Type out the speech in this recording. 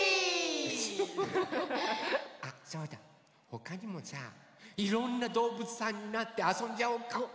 ほかにもさいろんなどうぶつさんになってあそんじゃおうか？